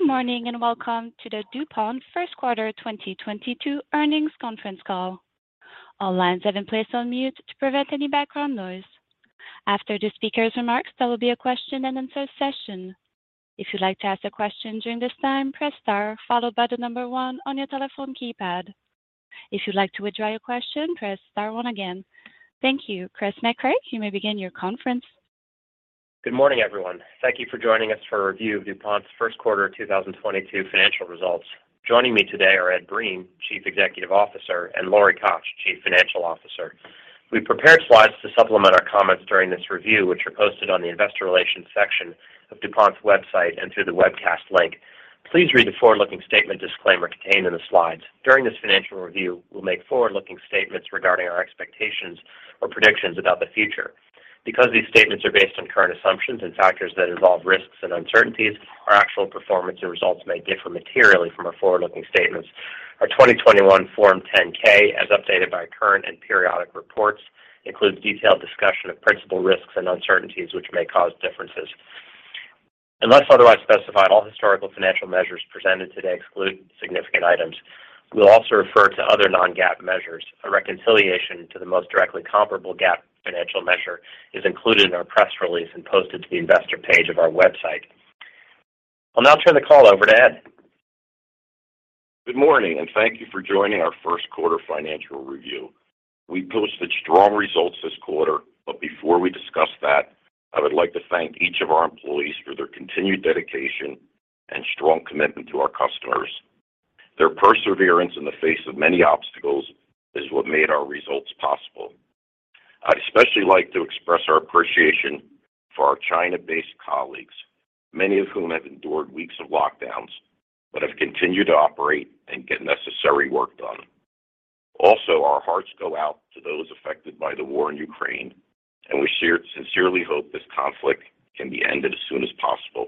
Good morning, and welcome to the DuPont first quarter 2022 earnings conference call. All lines have been placed on mute to prevent any background noise. After the speaker's remarks, there will be a question and answer session. If you'd like to ask a question during this time, press star followed by the number 1 on your telephone keypad. If you'd like to withdraw your question, press star 1 again. Thank you. Chris Mecray, you may begin your conference. Good morning, everyone. Thank you for joining us for a review of DuPont's first quarter 2022 financial results. Joining me today are Ed Breen, Chief Executive Officer, and Lori Koch, Chief Financial Officer. We prepared slides to supplement our comments during this review, which are posted on the investor relations section of DuPont's website and through the webcast link. Please read the forward-looking statement disclaimer contained in the slides. During this financial review, we'll make forward-looking statements regarding our expectations or predictions about the future. Because these statements are based on current assumptions and factors that involve risks and uncertainties, our actual performance and results may differ materially from our forward-looking statements. Our 2021 Form 10-K, as updated by current and periodic reports, includes detailed discussion of principal risks and uncertainties which may cause differences. Unless otherwise specified, all historical financial measures presented today exclude significant items. We'll also refer to other non-GAAP measures. A reconciliation to the most directly comparable GAAP financial measure is included in our press release and posted to the investor page of our website. I'll now turn the call over to Ed. Good morning, and thank you for joining our first quarter financial review. We posted strong results this quarter, before we discuss that, I would like to thank each of our employees for their continued dedication and strong commitment to our customers. Their perseverance in the face of many obstacles is what made our results possible. I'd especially like to express our appreciation for our China-based colleagues, many of whom have endured weeks of lockdowns but have continued to operate and get necessary work done. Also, our hearts go out to those affected by the war in Ukraine, and we sincerely hope this conflict can be ended as soon as possible.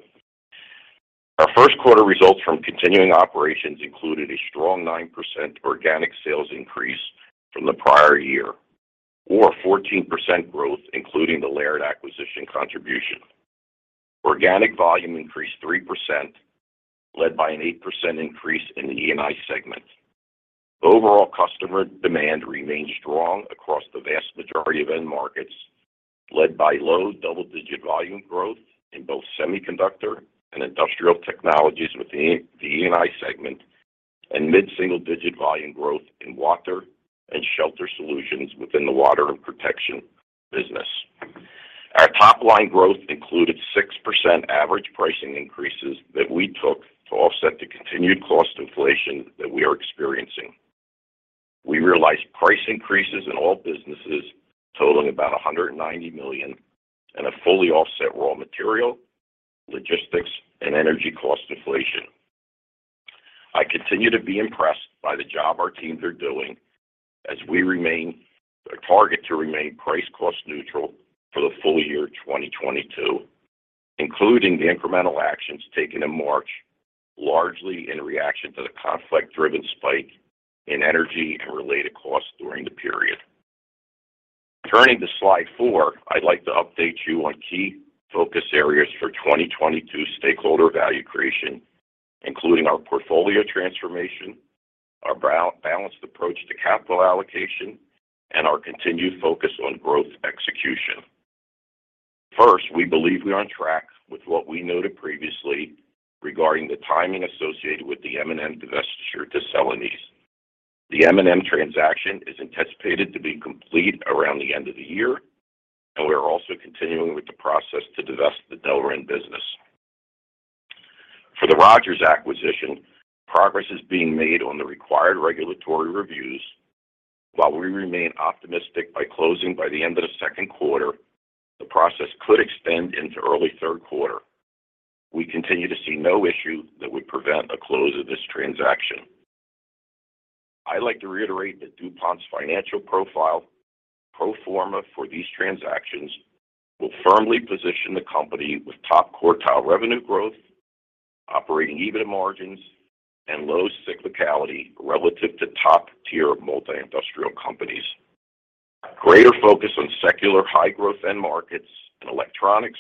Our first quarter results from continuing operations included a strong 9% organic sales increase from the prior year or 14% growth, including the Laird acquisition contribution. Organic volume increased 3%, led by an 8% increase in the E&I segment. Overall customer demand remained strong across the vast majority of end markets, led by low double-digit volume growth in both semiconductor and industrial technologies within the E&I segment and mid-single digit volume growth in water and shelter solutions within the water and protection business. Our top line growth included 6% average pricing increases that we took to offset the continued cost inflation that we are experiencing. We realized price increases in all businesses totaling about $190 million to fully offset raw material, logistics, and energy cost inflation. I continue to be impressed by the job our teams are doing as we remain. Our target to remain price cost neutral for the full year 2022, including the incremental actions taken in March, largely in reaction to the conflict-driven spike in energy and related costs during the period. Turning to slide 4, I'd like to update you on key focus areas for 2022 stakeholder value creation, including our portfolio transformation, our balanced approach to capital allocation, and our continued focus on growth execution. First, we believe we are on track with what we noted previously regarding the timing associated with the M&M divestiture to Celanese. The M&M transaction is anticipated to be complete around the end of the year, and we are also continuing with the process to divest the Delrin business. For the Rogers acquisition, progress is being made on the required regulatory reviews. While we remain optimistic by closing by the end of the second quarter, the process could extend into early third quarter. We continue to see no issue that would prevent a close of this transaction. I like to reiterate that DuPont's financial profile pro forma for these transactions will firmly position the company with top quartile revenue growth, operating EBITDA margins, and low cyclicality relative to top tier multi-industrial companies. Greater focus on secular high growth end markets in electronics,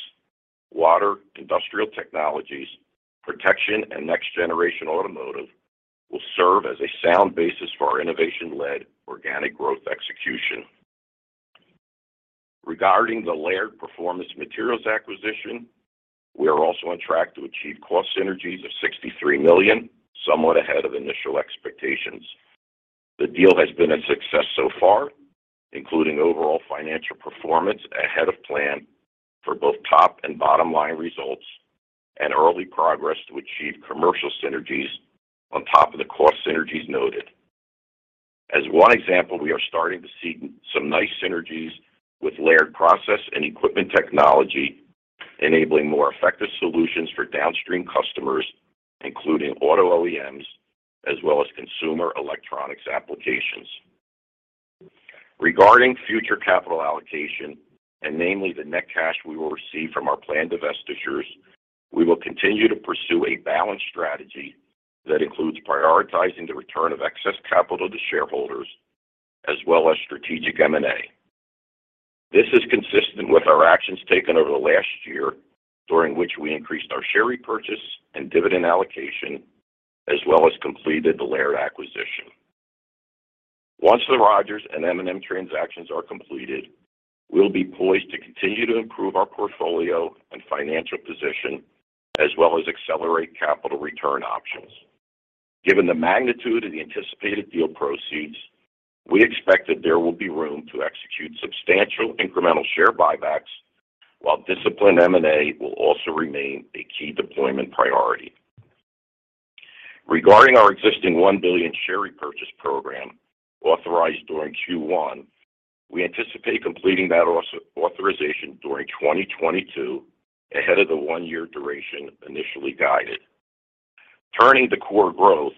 water, industrial technologies, protection, and next generation automotive will serve as a sound basis for our innovation-led organic growth execution. Regarding the Laird Performance Materials acquisition, we are also on track to achieve cost synergies of $63 million, somewhat ahead of initial expectations. The deal has been a success so far, including overall financial performance ahead of plan for both top and bottom line results and early progress to achieve commercial synergies on top of the cost synergies noted. As one example, we are starting to see some nice synergies with Laird process and equipment technology, enabling more effective solutions for downstream customers, including auto OEMs, as well as consumer electronics applications. Regarding future capital allocation, and namely the net cash we will receive from our planned divestitures, we will continue to pursue a balanced strategy that includes prioritizing the return of excess capital to shareholders as well as strategic M&A. This is consistent with our actions taken over the last year, during which we increased our share repurchase and dividend allocation, as well as completed the Laird acquisition. Once the Rogers and M&A transactions are completed, we'll be poised to continue to improve our portfolio and financial position, as well as accelerate capital return options. Given the magnitude of the anticipated deal proceeds, we expect that there will be room to execute substantial incremental share buybacks, while disciplined M&A will also remain a key deployment priority. Regarding our existing 1 billion share repurchase program authorized during Q1, we anticipate completing that authorization during 2022 ahead of the one-year duration initially guided. Turning to core growth,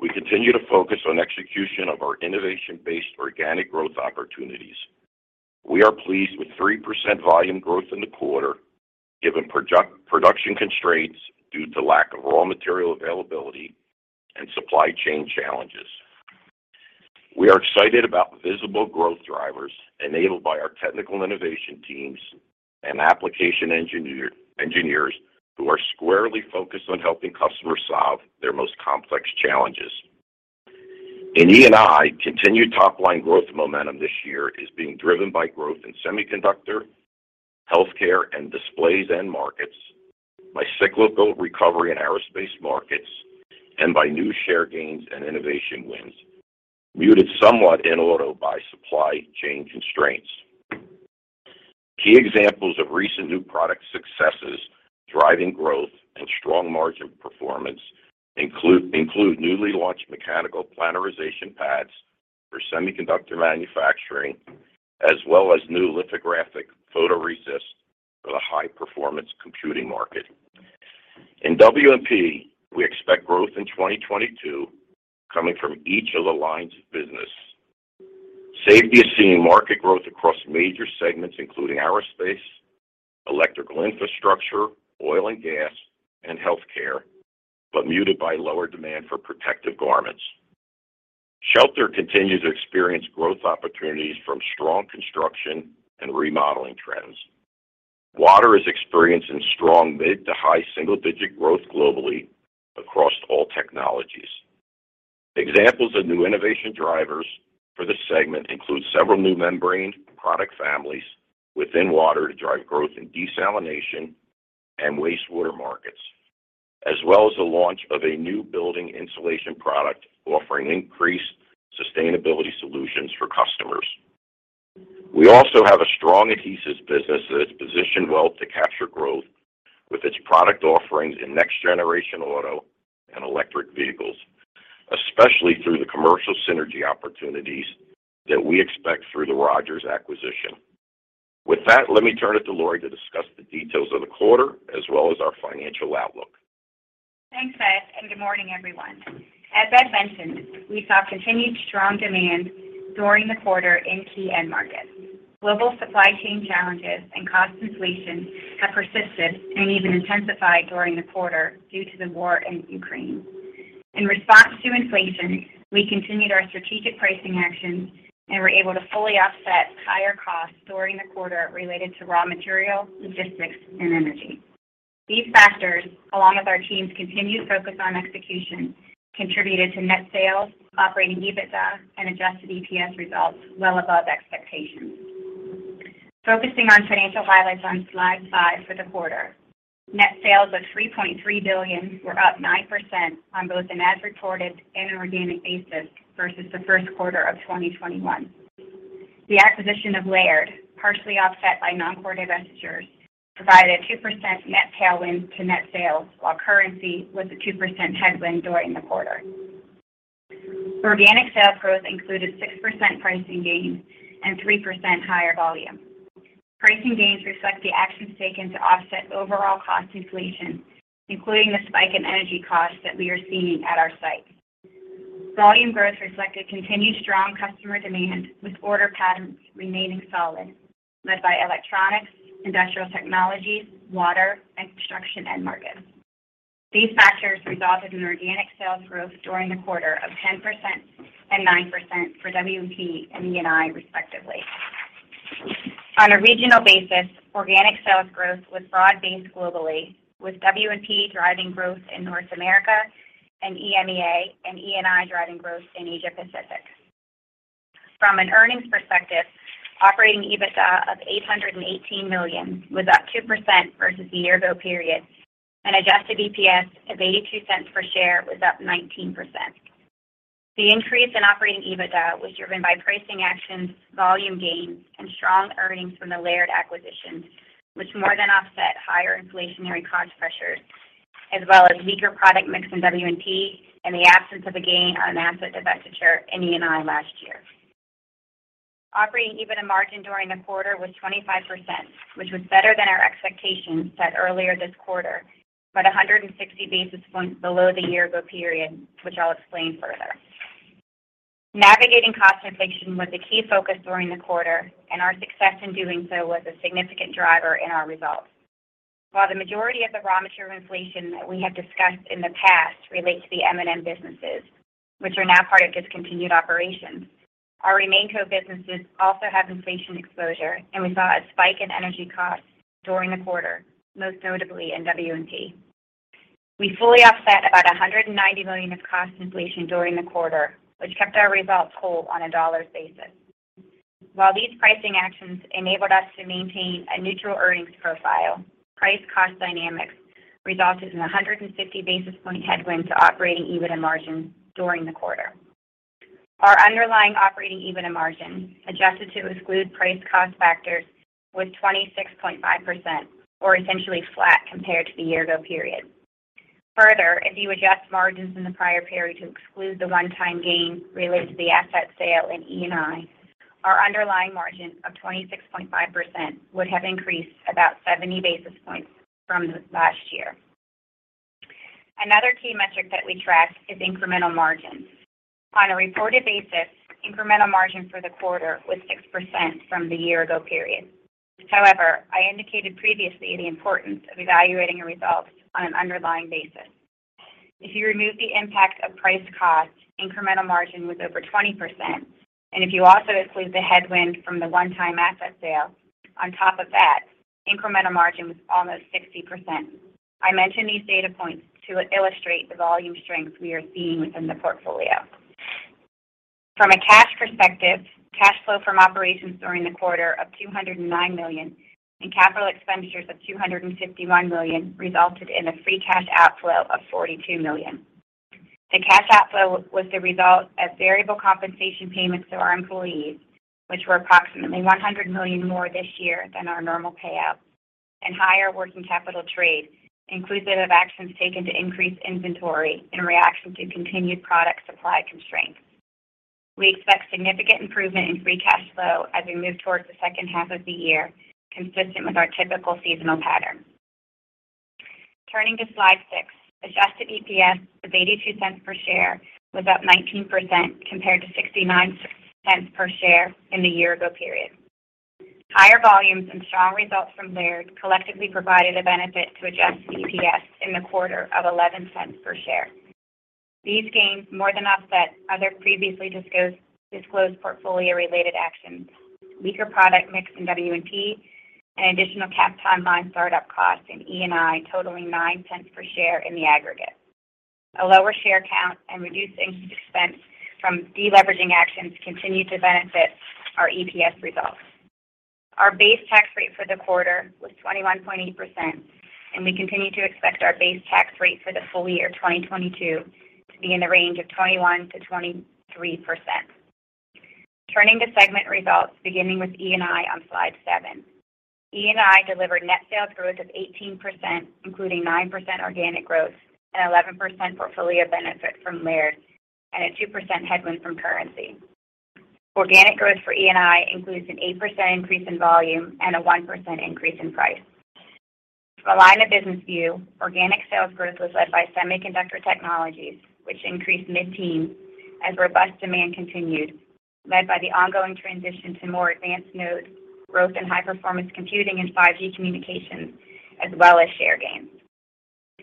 we continue to focus on execution of our innovation-based organic growth opportunities. We are pleased with 3% volume growth in the quarter given product-production constraints due to lack of raw material availability and supply chain challenges. We are excited about visible growth drivers enabled by our technical innovation teams and application engineer, engineers who are squarely focused on helping customers solve their most complex challenges. In E&I, continued top-line growth momentum this year is being driven by growth in semiconductor, healthcare, and displays end markets, by cyclical recovery in aerospace markets, and by new share gains and innovation wins, muted somewhat in auto by supply chain constraints. Key examples of recent new product successes driving growth and strong margin performance include newly launched mechanical planarization pads for semiconductor manufacturing, as well as new lithographic photoresist for the high performance computing market. In W&P, we expect growth in 2022 coming from each of the lines of business. Safety is seeing market growth across major segments, including aerospace, electrical infrastructure, oil and gas, and healthcare, but muted by lower demand for protective garments. Shelter continues to experience growth opportunities from strong construction and remodeling trends. Water is experiencing strong mid to high single-digit growth globally across all technologies. Examples of new innovation drivers for this segment include several new membrane product families within water to drive growth in desalination and wastewater markets, as well as the launch of a new building insulation product offering increased sustainability solutions for customers. We also have a strong adhesives business that is positioned well to capture growth with its product offerings in next generation auto and electric vehicles, especially through the commercial synergy opportunities that we expect through the Rogers acquisition. With that, let me turn it to Lori to discuss the details of the quarter as well as our financial outlook. Thanks, Chris, and good morning, everyone. As Chris mentioned, we saw continued strong demand during the quarter in key end markets. Global supply chain challenges and cost inflation have persisted and even intensified during the quarter due to the war in Ukraine. In response to inflation, we continued our strategic pricing actions and were able to fully offset higher costs during the quarter related to raw material, logistics, and energy. These factors, along with our team's continued focus on execution, contributed to net sales, operating EBITDA, and adjusted EPS results well above expectations. Focusing on financial highlights on slide 5 for the quarter. Net sales of $3.3 billion were up 9% on both an as-reported and an organic basis versus the first quarter of 2021. The acquisition of Laird, partially offset by non-core divestitures, provided a 2% net tailwind to net sales, while currency was a 2% headwind during the quarter. Organic sales growth included 6% pricing gains and 3% higher volume. Pricing gains reflect the actions taken to offset overall cost inflation, including the spike in energy costs that we are seeing at our sites. Volume growth reflected continued strong customer demand, with order patterns remaining solid, led by electronics, industrial technologies, water, and construction end markets. These factors resulted in organic sales growth during the quarter of 10% and 9% for W&P and E&I, respectively. On a regional basis, organic sales growth was broad-based globally, with W&P driving growth in North America and EMEA, and E&I driving growth in Asia Pacific. From an earnings perspective, operating EBITDA of $818 million was up 2% versus the year ago period, and adjusted EPS of $0.82 per share was up 19%. The increase in operating EBITDA was driven by pricing actions, volume gains, and strong earnings from the Laird acquisition, which more than offset higher inflationary cost pressures as well as weaker product mix in W&P and the absence of a gain on an asset divestiture in E&I last year. Operating EBITDA margin during the quarter was 25%, which was better than our expectations set earlier this quarter, but 160 basis points below the year ago period, which I'll explain further. Navigating cost inflation was a key focus during the quarter, and our success in doing so was a significant driver in our results. While the majority of the raw material inflation that we have discussed in the past relate to the M&M businesses, which are now part of discontinued operations, our remaining businesses also have inflation exposure, and we saw a spike in energy costs during the quarter, most notably in W&P. We fully offset about $190 million of cost inflation during the quarter, which kept our results whole on a dollar basis. While these pricing actions enabled us to maintain a neutral earnings profile, price cost dynamics resulted in a 150 basis point headwind to operating EBITDA margin during the quarter. Our underlying operating EBITDA margin, adjusted to exclude price cost factors, was 26.5%, or essentially flat compared to the year ago period. Further, if you adjust margins in the prior period to exclude the one-time gain related to the asset sale in E&I, our underlying margin of 26.5% would have increased about 70 basis points from the last year. Another key metric that we track is incremental margins. On a reported basis, incremental margin for the quarter was 6% from the year ago period. However, I indicated previously the importance of evaluating your results on an underlying basis. If you remove the impact of price cost, incremental margin was over 20%, and if you also exclude the headwind from the one-time asset sale on top of that, incremental margin was almost 60%. I mention these data points to illustrate the volume strength we are seeing within the portfolio. From a cash perspective, cash flow from operations during the quarter of $209 million and capital expenditures of $251 million resulted in a free cash outflow of $42 million. The cash outflow was the result of variable compensation payments to our employees, which were approximately $100 million more this year than our normal payout, and higher working capital trade, inclusive of actions taken to increase inventory in reaction to continued product supply constraints. We expect significant improvement in free cash flow as we move towards the second half of the year, consistent with our typical seasonal pattern. Turning to slide six. Adjusted EPS of $0.82 per share was up 19% compared to $0.69 per share in the year ago period. Higher volumes and strong results from Laird collectively provided a benefit to adjusted EPS in the quarter of $0.11 per share. These gains more than offset other previously disclosed portfolio related actions, weaker product mix in W&P, and additional Kapton line start-up costs in E&I totaling $0.09 per share in the aggregate. A lower share count and reduced expense from de-leveraging actions continued to benefit our EPS results. Our base tax rate for the quarter was 21.8%, and we continue to expect our base tax rate for the full year 2022 to be in the range of 21%-23%. Turning to segment results, beginning with E&I on slide 7. E&I delivered net sales growth of 18%, including 9% organic growth, and 11% portfolio benefit from Laird, and a 2% headwind from currency. Organic growth for E&I includes an 8% increase in volume and a 1% increase in price. For line of business view, organic sales growth was led by semiconductor technologies, which increased mid-teens% as robust demand continued, led by the ongoing transition to more advanced node growth in high-performance computing and 5G communications, as well as share gains.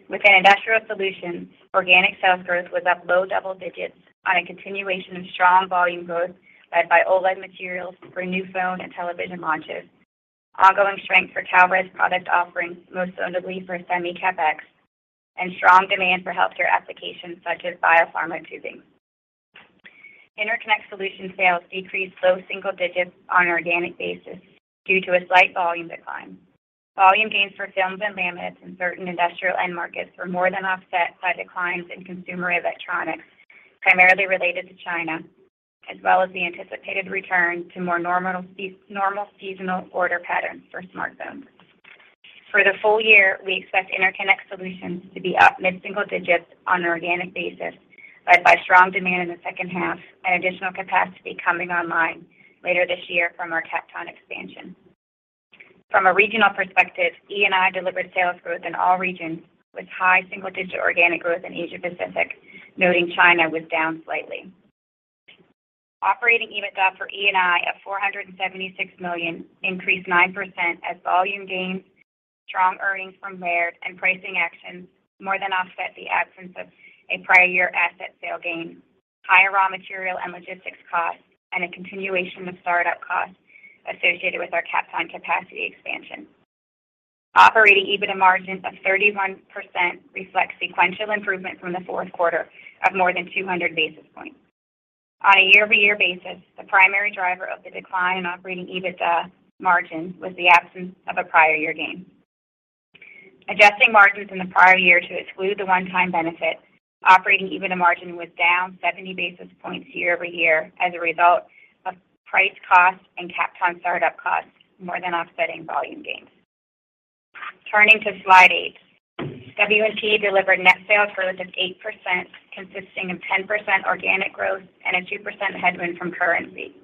Within Industrial Solutions, organic sales growth was up low double-digits% on a continuation of strong volume growth led by OLED materials for new phone and television launches. Ongoing strength for Laird's product offerings, most notably for semi CapEx, and strong demand for healthcare applications such as biopharma tubing. Interconnect solution sales decreased low single-digits% on an organic basis due to a slight volume decline. Volume gains for films and laminates in certain industrial end markets were more than offset by declines in consumer electronics, primarily related to China, as well as the anticipated return to more normal seasonal order patterns for smartphones. For the full year, we expect interconnect solutions to be up mid-single digits% on an organic basis, led by strong demand in the second half and additional capacity coming online later this year from our Kapton expansion. From a regional perspective, E&I delivered sales growth in all regions with high single digit organic growth% in Asia Pacific, noting China was down slightly. Operating EBITDA for E&I at $476 million increased 9% as volume gains, strong earnings from Laird and pricing actions more than offset the absence of a prior year asset sale gain, higher raw material and logistics costs, and a continuation of start-up costs associated with our Kapton capacity expansion. Operating EBITDA margins of 31% reflect sequential improvement from the fourth quarter of more than 200 basis points. On a year-over-year basis, the primary driver of the decline in operating EBITDA margins was the absence of a prior year gain. Adjusting margins in the prior year to exclude the one-time benefit, operating EBITDA margin was down 70 basis points year-over-year as a result of price cost and Kapton start-up costs more than offsetting volume gains. Turning to slide 8. W&P delivered net sales growth of 8%, consisting of 10% organic growth and a 2% headwind from currency.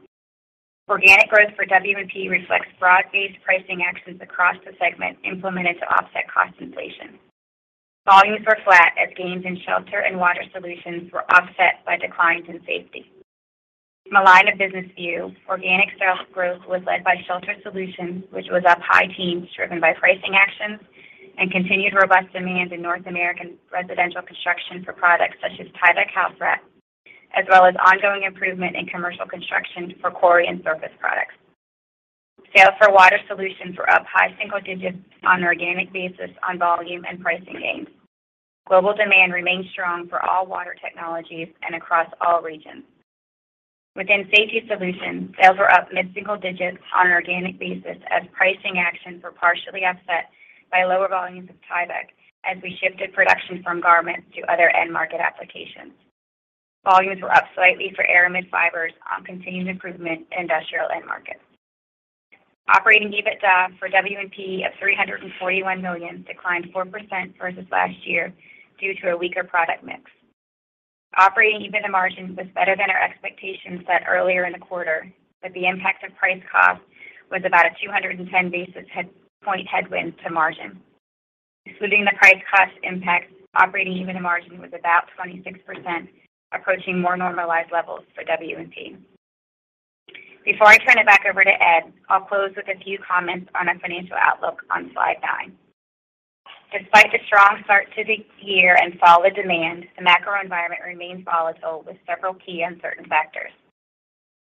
Organic growth for W&P reflects broad-based pricing actions across the segment implemented to offset costs. Volumes were flat as gains in shelter and water solutions were offset by declines in safety. From a line of business view, organic sales growth was led by shelter solutions, which was up high teens driven by pricing actions and continued robust demand in North American residential construction for products such as Tyvek housewrap, as well as ongoing improvement in commercial construction for Corian and Surface products. Sales for water solutions were up high single digits on an organic basis on volume and pricing gains. Global demand remains strong for all water technologies and across all regions. Within safety solutions, sales were up mid-single digits on an organic basis as pricing actions were partially offset by lower volumes of Tyvek as we shifted production from garments to other end market applications. Volumes were up slightly for aramid fibers on continued improvement in industrial end markets. Operating EBITDA for W&P of $341 million declined 4% versus last year due to a weaker product mix. Operating EBITDA margin was better than our expectations set earlier in the quarter, but the impact of price cost was about a 210 basis point headwind to margin. Excluding the price cost impact, operating EBITDA margin was about 26%, approaching more normalized levels for W&P. Before I turn it back over to Ed, I'll close with a few comments on our financial outlook on slide 9. Despite the strong start to the year and solid demand, the macro environment remains volatile with several key uncertain factors.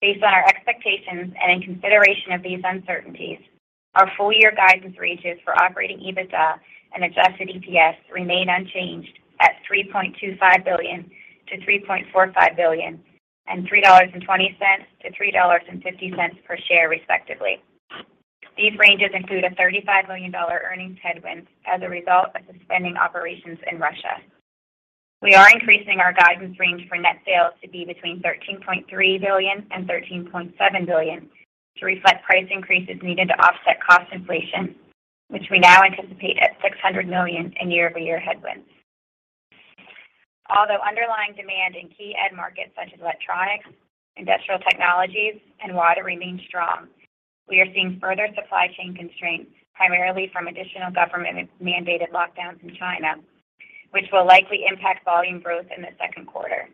Based on our expectations and in consideration of these uncertainties, our full year guidance ranges for operating EBITDA and adjusted EPS remain unchanged at $3.25 billion-$3.45 billion and $3.20-$3.50 per share, respectively. These ranges include a $35 million earnings headwind as a result of suspending operations in Russia. We are increasing our guidance range for net sales to be between $13.3 billion-$13.7 billion to reflect price increases needed to offset cost inflation, which we now anticipate at $600 million in year-over-year headwinds. Although underlying demand in key end markets such as electronics, industrial technologies, and water remain strong, we are seeing further supply chain constraints, primarily from additional government-mandated lockdowns in China, which will likely impact volume growth in the second quarter.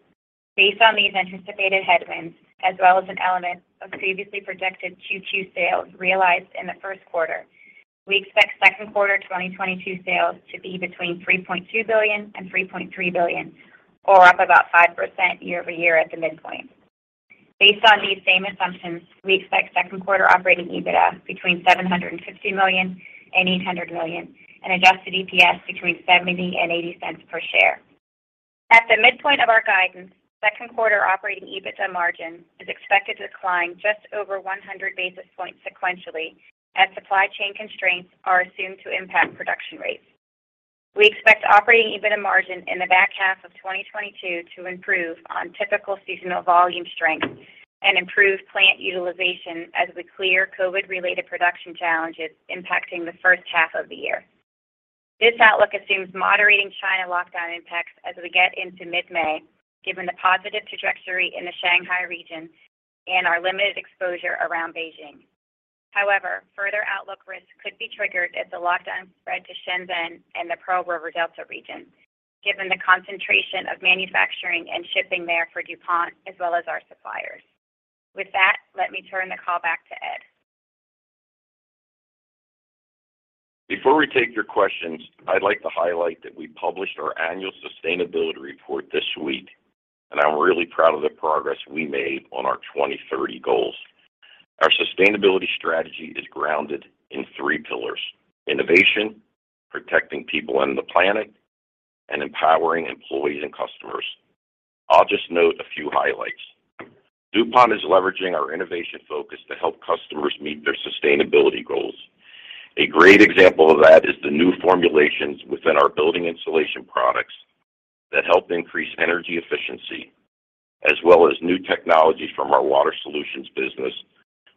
Based on these anticipated headwinds, as well as an element of previously projected Q2 sales realized in the first quarter, we expect second quarter 2022 sales to be between $3.2 billion and $3.3 billion or up about 5% year-over-year at the midpoint. Based on these same assumptions, we expect second quarter operating EBITDA between $750 million and $800 million and adjusted EPS between $0.70 and $0.80 per share. At the midpoint of our guidance, second quarter operating EBITDA margin is expected to decline just over 100 basis points sequentially as supply chain constraints are assumed to impact production rates. We expect operating EBITDA margin in the back half of 2022 to improve on typical seasonal volume strength and improve plant utilization as we clear COVID-related production challenges impacting the first half of the year. This outlook assumes moderating China lockdown impacts as we get into mid-May, given the positive trajectory in the Shanghai region and our limited exposure around Beijing. However, further outlook risks could be triggered if the lockdowns spread to Shenzhen and the Pearl River Delta region, given the concentration of manufacturing and shipping there for DuPont as well as our suppliers. With that, let me turn the call back to Ed. Before we take your questions, I'd like to highlight that we published our annual sustainability report this week, and I'm really proud of the progress we made on our 2030 goals. Our sustainability strategy is grounded in three pillars. Innovation, protecting people and the planet, and empowering employees and customers. I'll just note a few highlights. DuPont is leveraging our innovation focus to help customers meet their sustainability goals. A great example of that is the new formulations within our building insulation products that help increase energy efficiency, as well as new technologies from our water solutions business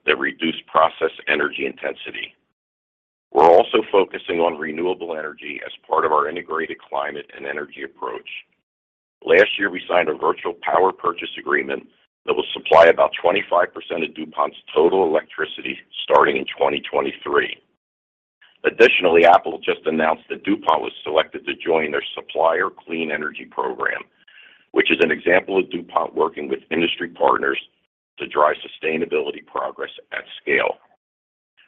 that reduce process energy intensity. We're also focusing on renewable energy as part of our integrated climate and energy approach. Last year, we signed a virtual power purchase agreement that will supply about 25% of DuPont's total electricity starting in 2023. Additionally, Apple just announced that DuPont was selected to join their Supplier Clean Energy Program, which is an example of DuPont working with industry partners to drive sustainability progress at scale.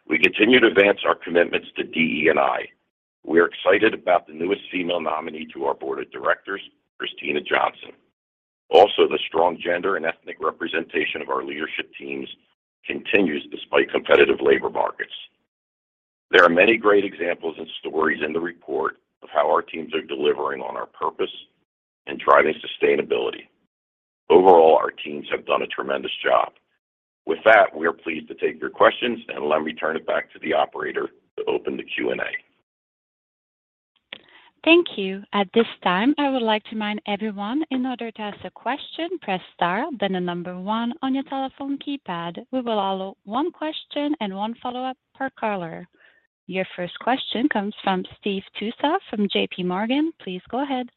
We continue to advance our commitments to DE&I. We are excited about the newest female nominee to our board of directors, Kristina Johnson. Also, the strong gender and ethnic representation of our leadership teams continues despite competitive labor markets. There are many great examples and stories in the report of how our teams are delivering on our purpose and driving sustainability. Overall, our teams have done a tremendous job. With that, we are pleased to take your questions, and let me turn it back to the operator to open the Q&A. Thank you. At this time, I would like to remind everyone, in order to ask a question, press star then the number one on your telephone keypad. We will allow one question and one follow-up per caller. Your first question comes from Steve Tusa from J.P. Morgan. Please go ahead.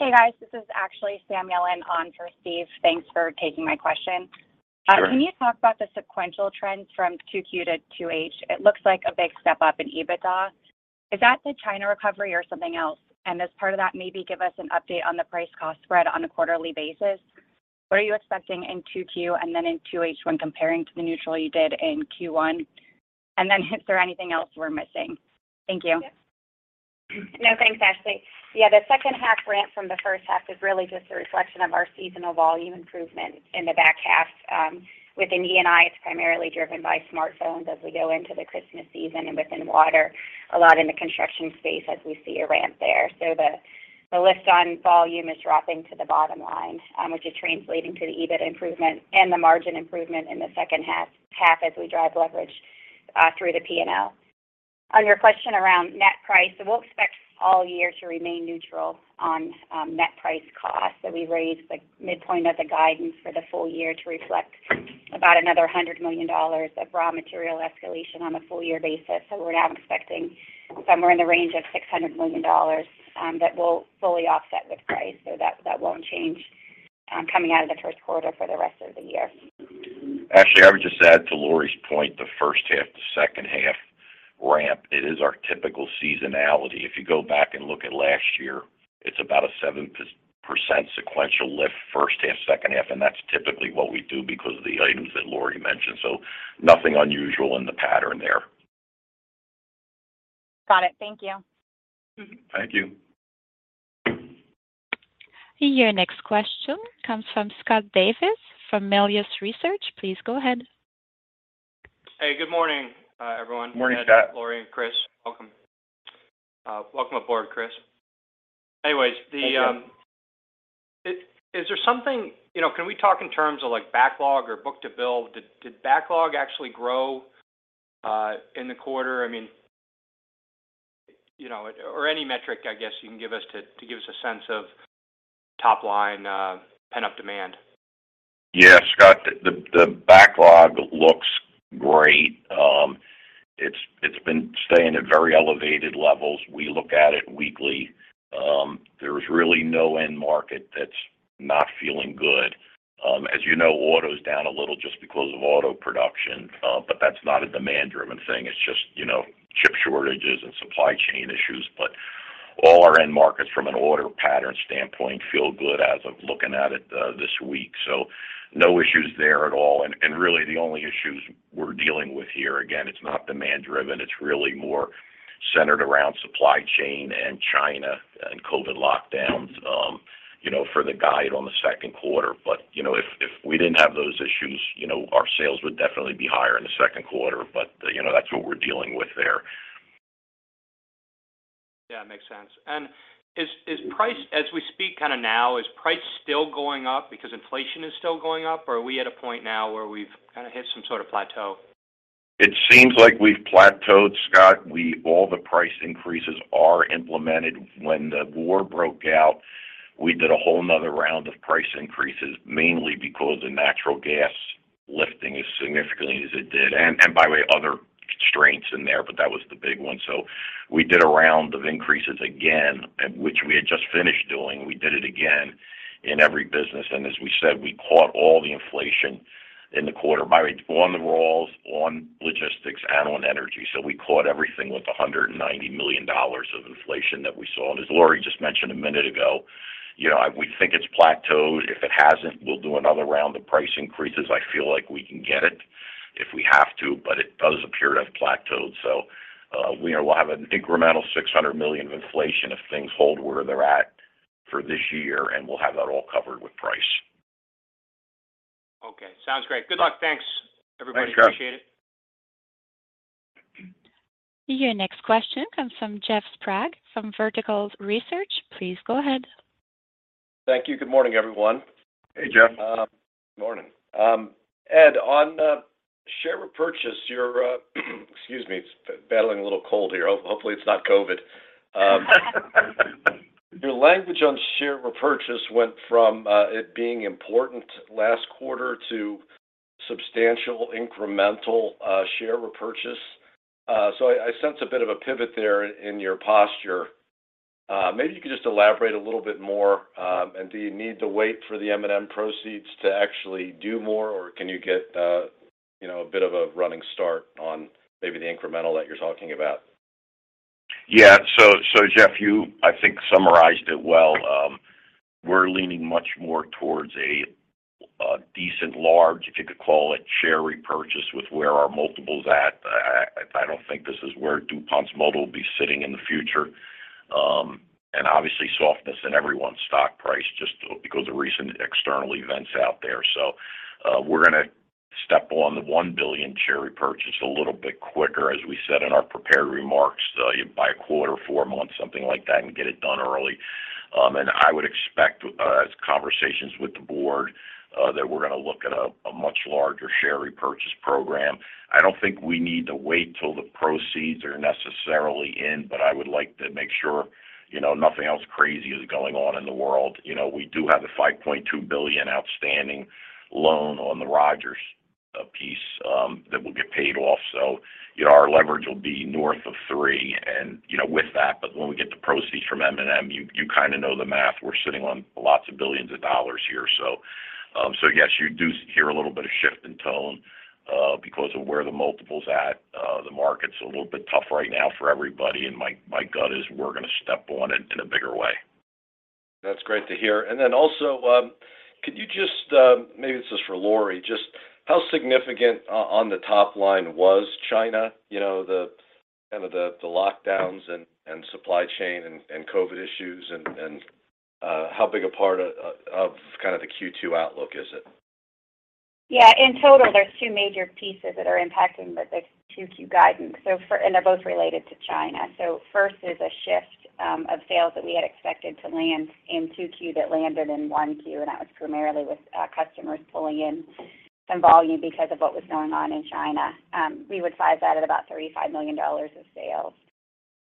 Hey guys, this is actually Siddhi on for Steve. Thanks for taking my question. Sure. Can you talk about the sequential trends from 2Q to 2H? It looks like a big step up in EBITDA. Is that the China recovery or something else? As part of that, maybe give us an update on the price cost spread on a quarterly basis. What are you expecting in 2Q and then in 2H when comparing to the neutral you did in Q1? Then is there anything else we're missing? Thank you. No, thanks, Siddhi. Yeah. The second half ramp from the first half is really just a reflection of our seasonal volume improvement in the back half. Within E&I, it's primarily driven by smartphones as we go into the Christmas season. Within water, a lot in the construction space as we see a ramp there. The lift on volume is dropping to the bottom line, which is translating to the EBIT improvement and the margin improvement in the second half as we drive leverage through the P&L. On your question around net price, we'll expect all year to remain neutral on net price cost. We raised the midpoint of the guidance for the full year to reflect about another $100 million of raw material escalation on a full year basis. We're now expecting somewhere in the range of $600 million that we'll fully offset with price. That won't change coming out of the first quarter for the rest of the year. Siddhi, I would just add to Lori's point. The first half to second half ramp, it is our typical seasonality. If you go back and look at last year, it's about a 7% sequential lift first half, second half, and that's typically what we do because of the items that Lori mentioned, so nothing unusual in the pattern there. Got it. Thank you. Thank you. Your next question comes from Scott Davis from Melius Research. Please go ahead. Hey, good morning, everyone. Morning, Scott. Ed, Lori, and Chris. Welcome. Welcome aboard, Chris. Anyways. Thank you. Is there something? You know, can we talk in terms of like backlog or book to bill? Did backlog actually grow in the quarter? I mean, you know, or any metric, I guess, you can give us to give us a sense of top line pent-up demand. Yeah, Scott. The backlog looks great. It's been staying at very elevated levels. We look at it weekly. There's really no end market that's not feeling good. As you know, auto's down a little just because of auto production, but that's not a demand driven thing. It's just you know, chip shortages and supply chain issues. But all our end markets from an order pattern standpoint feel good as of looking at it this week. So no issues there at all. And really the only issues we're dealing with here, again, it's not demand driven. It's really more centered around supply chain and China and COVID lockdowns, you know, for the guide on the second quarter. But you know, if we didn't have those issues, you know, our sales would definitely be higher in the second quarter. You know, that's what we're dealing with there. Yeah, makes sense. Is price as we speak kind of now still going up because inflation is still going up? Or are we at a point now where we've kind of hit some sort of plateau? It seems like we've plateaued, Scott. All the price increases are implemented. When the war broke out, we did a whole another round of price increases, mainly because of natural gas lifting as significantly as it did, and by the way, other constraints in there, but that was the big one. We did a round of increases again, which we had just finished doing. We did it again in every business. As we said, we caught all the inflation in the quarter, by the way, on the raws, on logistics, and on energy. We caught everything with $190 million of inflation that we saw. As Lori just mentioned a minute ago, you know, we think it's plateaued. If it hasn't, we'll do another round of price increases. I feel like we can get it if we have to, but it does appear to have plateaued. We'll have an incremental $600 million of inflation if things hold where they're at for this year, and we'll have that all covered with price. Okay. Sounds great. Good luck. Thanks, everybody. Thanks, Scott. Appreciate it. Your next question comes from Jeff Sprague from Vertical Research Partners. Please go ahead. Thank you. Good morning, everyone. Hey, Jeff. Good morning. Ed, on share repurchase, your excuse me, battling a little cold here. Hopefully, it's not COVID. Your language on share repurchase went from it being important last quarter to substantial incremental share repurchase. I sense a bit of a pivot there in your posture. Maybe you could just elaborate a little bit more. Do you need to wait for the M&M proceeds to actually do more, or can you get you know, a bit of a running start on maybe the incremental that you're talking about? Yeah. Jeff, you, I think, summarized it well. We're leaning much more towards a decent large, if you could call it, share repurchase with where our multiple's at. I don't think this is where DuPont's model will be sitting in the future. Obviously softness in everyone's stock price just because of recent external events out there. We're gonna step on the $1 billion share repurchase a little bit quicker, as we said in our prepared remarks, by a quarter, four months, something like that, and get it done early. I would expect as conversations with the board, that we're gonna look at a much larger share repurchase program. I don't think we need to wait till the proceeds are necessarily in, but I would like to make sure, you know, nothing else crazy is going on in the world. You know, we do have a $5.2 billion outstanding loan on the Rogers piece that will get paid off. You know, our leverage will be north of 3 and, you know, with that. When we get the proceeds from M&M, you kind of know the math. We're sitting on lots of billions of dollars here. Yes, you do hear a little bit of shift in tone because of where the multiple's at. The market's a little bit tough right now for everybody, and my gut is we're gonna step on it in a bigger way. That's great to hear. Also, could you just maybe this is for Lori, just how significant on the top line was China, you know, the kind of lockdowns and supply chain and how big a part of kind of the Q2 outlook is it? Yeah. In total, there's two major pieces that are impacting the 2Q guidance. They're both related to China. First is a shift of sales that we had expected to land in 2Q that landed in 1Q, and that was primarily with customers pulling in some volume because of what was going on in China. We would size that at about $35 million of sales.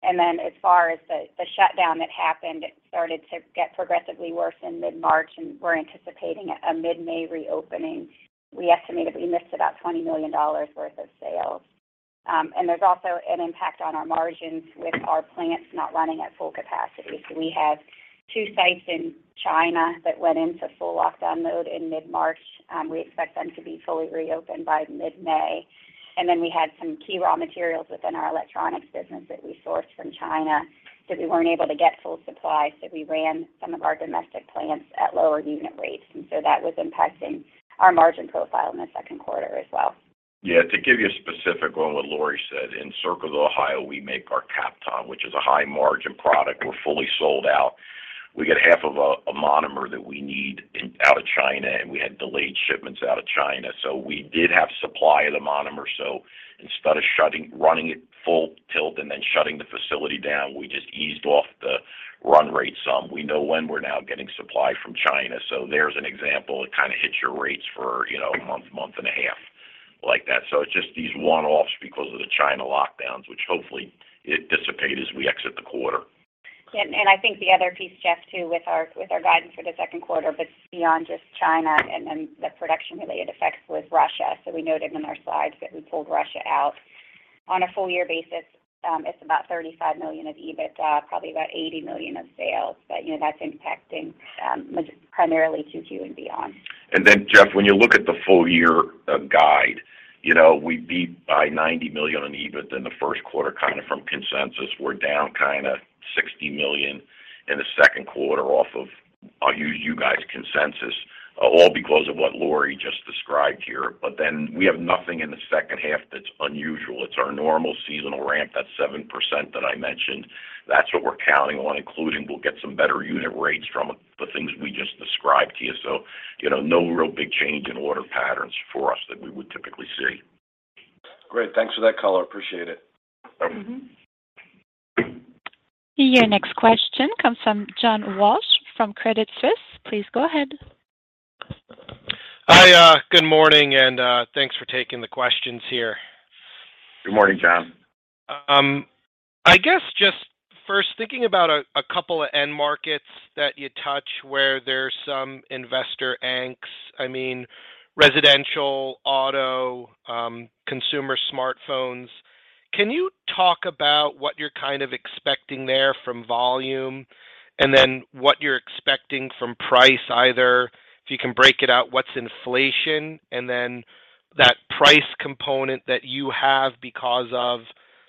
As far as the shutdown that happened, it started to get progressively worse in mid-March, and we're anticipating a mid-May reopening. We estimated we missed about $20 million worth of sales. There's also an impact on our margins with our plants not running at full capacity. We have two sites in China that went into full lockdown mode in mid-March. We expect them to be fully reopened by mid-May. We had some key raw materials within our electronics business that we sourced from China that we weren't able to get full supply, so we ran some of our domestic plants at lower unit rates. That was impacting our margin profile in the second quarter as well. Yeah. To give you a specific on what Lori said, in Circleville, Ohio, we make our Kapton, which is a high margin product. We're fully sold out. We get half of a monomer that we need out of China, and we had delayed shipments out of China. We did have supply of the monomer. Instead of running it full tilt and then shutting the facility down, we just eased off the run rate some. We know when we're now getting supply from China. There's an example. It kind of hits your rates for, you know, a month and a half like that. It's just these one-offs because of the China lockdowns, which hopefully it dissipate as we exit the quarter. Yeah. I think the other piece, Jeff, too, with our guidance for the second quarter, but beyond just China and then the production related effects with Russia. We noted in our slides that we pulled Russia out. On a full year basis, it's about $35 million of EBITDA, probably about $80 million of sales. You know, that's impacting primarily 2Q and beyond. Jeff, when you look at the full year guide, you know, we beat by $90 million on EBIT in the first quarter kind of from consensus. We're down kinda $60 million in the second quarter off of, I'll use you guys' consensus, all because of what Lori just described here. We have nothing in the second half that's unusual. It's our normal seasonal ramp, that 7% that I mentioned. That's what we're counting on, including we'll get some better unit rates from the things we just described to you. You know, no real big change in order patterns for us than we would typically see. Great. Thanks for that color. Appreciate it. Mm-hmm. Your next question comes from John Walsh from Credit Suisse. Please go ahead. Hi, good morning, and thanks for taking the questions here. Good morning, John. I guess just first thinking about a couple of end markets that you touch where there's some investor angst. I mean, residential, auto, consumer smartphones. Can you talk about what you're kind of expecting there from volume and then what you're expecting from price either, if you can break it out, what's inflation and then that price component that you have because of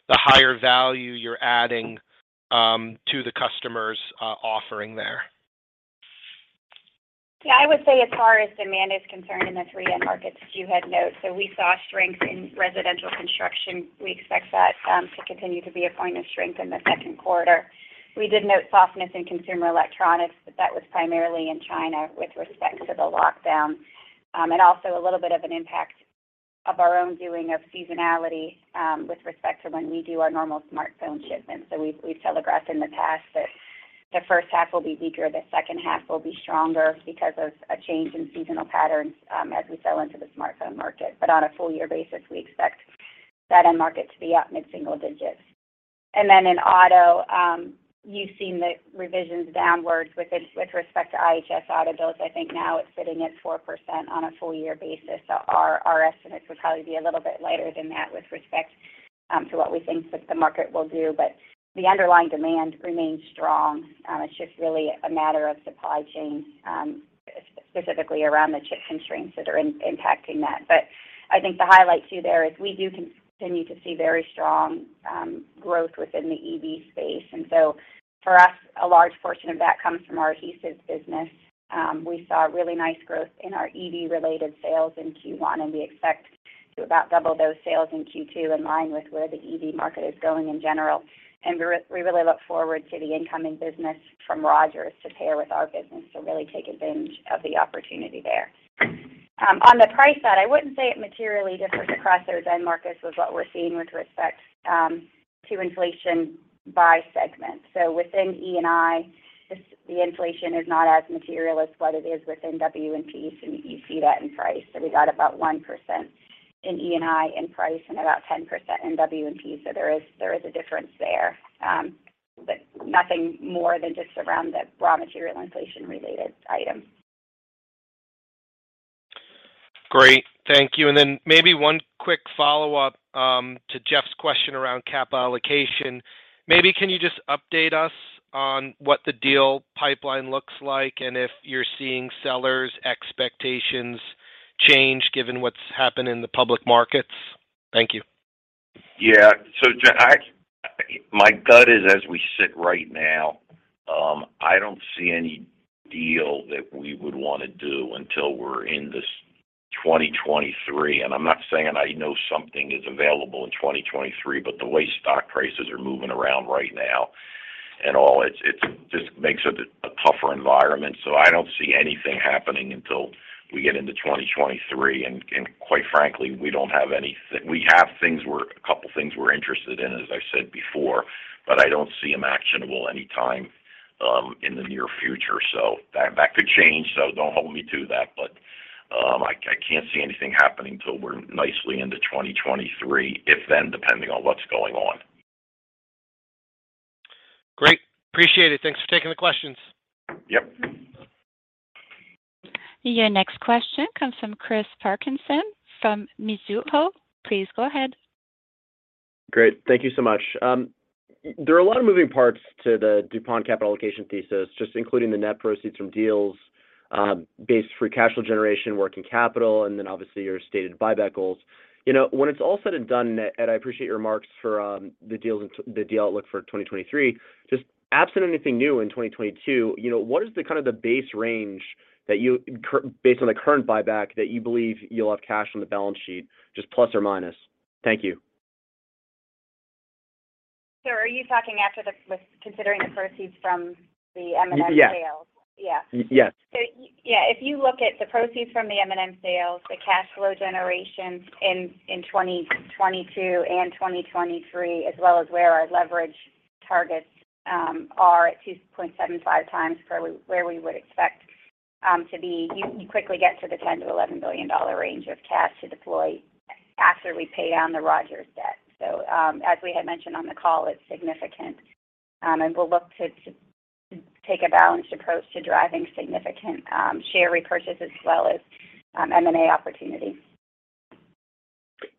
the higher value you're adding to the customer's offering there? Yeah. I would say as far as demand is concerned in the three end markets that you had noted, we saw strength in residential construction. We expect that to continue to be a point of strength in the second quarter. We did note softness in consumer electronics, but that was primarily in China with respect to the lockdown. Also a little bit of an impact of our own doing of seasonality with respect to when we do our normal smartphone shipments. We've telegraphed in the past that the first half will be weaker, the second half will be stronger because of a change in seasonal patterns as we sell into the smartphone market. On a full year basis, we expect that end market to be up mid-single digits%. In auto, you've seen the revisions downwards with respect to IHS auto builds. I think now it's sitting at 4% on a full year basis. Our estimates would probably be a little bit lighter than that with respect to what we think that the market will do, but the underlying demand remains strong. It's just really a matter of supply chain, specifically around the chip constraints that are impacting that. I think the highlight too there is we do continue to see very strong growth within the EV space. For us, a large portion of that comes from our adhesives business. We saw really nice growth in our EV related sales in Q1, and we expect to about double those sales in Q2 in line with where the EV market is going in general. We're really look forward to the incoming business from Rogers to pair with our business to really take advantage of the opportunity there. On the price side, I wouldn't say it's materially different across those end markets than what we're seeing with respect to inflation by segment. Within E&I, the inflation is not as material as what it is within W&P, so you see that in price. We got about 1% in E&I in price and about 10% in W&P. There is a difference there. Nothing more than just around the raw material inflation related item. Great. Thank you. Maybe one quick follow-up to Jeff's question around capital allocation. Maybe can you just update us on what the deal pipeline looks like, and if you're seeing sellers' expectations change given what's happened in the public markets? Thank you. Yeah. My gut is as we sit right now, I don't see any deal that we would wanna do until we're in this 2023, and I'm not saying I know something is available in 2023, but the way stock prices are moving around right now and all, it just makes it a tougher environment, so I don't see anything happening until we get into 2023. Quite frankly, we have a couple things we're interested in, as I said before, but I don't see them actionable any time in the near future. That could change, so don't hold me to that. I can't see anything happening till we're nicely into 2023, if then, depending on what's going on. Great. Appreciate it. Thanks for taking the questions. Yep. Your next question comes from Christopher Parkinson from Mizuho. Please go ahead. Great. Thank you so much. There are a lot of moving parts to the DuPont capital allocation thesis, just including the net proceeds from deals, base free cash flow generation, working capital, and then obviously your stated buyback goals. You know, when it's all said and done, Ed, I appreciate your remarks for the deals and the deal outlook for 2023. Just absent anything new in 2022, you know, what is the kind of base range that, based on the current buyback, you believe you'll have cash on the balance sheet, just plus or minus? Thank you. Are you talking while considering the proceeds from the M&A sales? Yes. Yeah. Yes. Yeah, if you look at the proceeds from the M&A sales, the cash flow generation in 2022 and 2023, as well as where our leverage targets are at 2.75x for where we would expect to be, you quickly get to the $10-11 billion range of cash to deploy after we pay down the Rogers debt. As we had mentioned on the call, it's significant. We'll look to take a balanced approach to driving significant share repurchases as well as M&A opportunities.